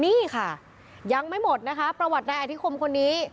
นี่ค่ะยังไม่หมดนะคะประวัตินายอธิคมคนนี้